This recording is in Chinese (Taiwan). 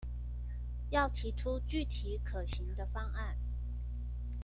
要提出具體可行的方案